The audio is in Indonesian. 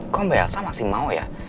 kok mbak elsa masih mau ya